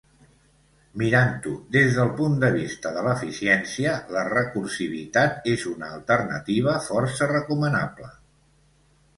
Mirant-ho des del punt de vista de l'eficiència, la recursivitat és una alternativa força recomanable.